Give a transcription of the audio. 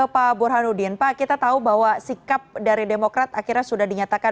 pak burhanuddin pak kita tahu bahwa sikap dari demokrat akhirnya sudah dinyatakan